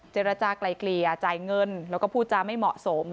เจรจากลายเกลี่ยจ่ายเงินแล้วก็พูดจาไม่เหมาะสม